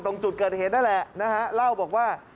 ตรงจุดเกิดเหตุนั่นแหละนะฮะเล่าบอกว่า